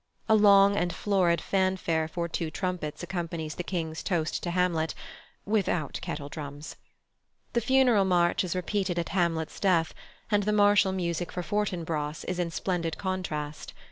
A long and florid fanfare for two trumpets accompanies the King's toast to Hamlet (without kettledrums). The Funeral March is repeated at Hamlet's death, and the martial music for Fortinbras is in splendid contrast.